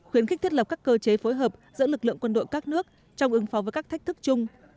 khuyến khích thiết lập các cơ chế phối hợp giữa lực lượng quân đội các nước trong ứng phó với các thách thức chung